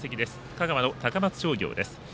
香川の高松商業です。